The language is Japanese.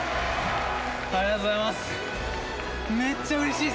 ありがとうございます！